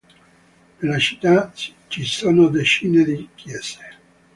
Nella città ci sono decine di chiese.